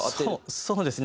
そうですね。